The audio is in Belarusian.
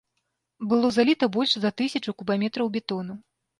Было заліта больш за тысячу кубаметраў бетону.